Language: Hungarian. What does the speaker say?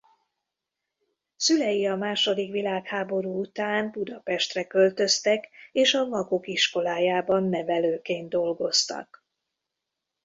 Szülei a második világháború után Budapestre költöztek és a Vakok Iskolájában nevelőként dolgoztak.